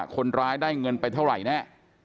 คนร้ายได้เงินไปเท่าไหร่แน่